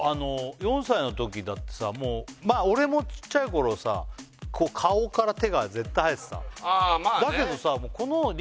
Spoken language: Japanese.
４歳のときだとさまあ俺もちっちゃい頃さ顔から手が絶対生えてたああ